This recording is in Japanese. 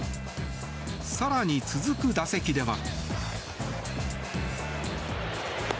更に、続く打席では。